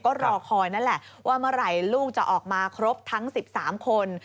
ก็รอคอยนั่นแหละว่าเมื่อไหร่ลูกจะออกมาครบทั้ง๑๓คน